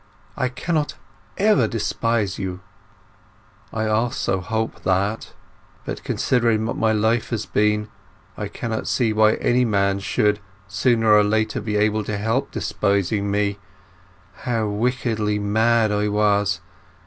"I cannot ever despise you." "I also hope that. But considering what my life has been, I cannot see why any man should, sooner or later, be able to help despising me.... How wickedly mad I was!